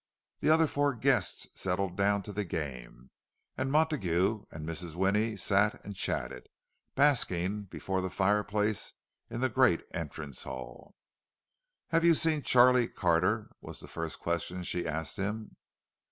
The other four guests settled down to the game, and Montague and Mrs. Winnie sat and chatted, basking before the fireplace in the great entrance hall. "Have you seen Charlie Carter?" was the first question she asked him.